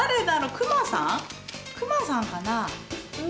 クマさんかな？